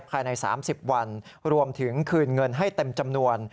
ภายใน๓๐วันรวมถึงคืนเงินให้เต็มจำนวน